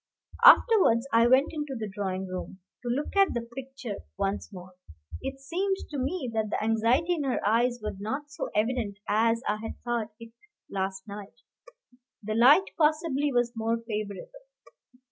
Afterwards I went into the drawing room, to look at the picture once more. It seemed to me that the anxiety in her eyes was not so evident as I had thought it last night. The light possibly was more favorable.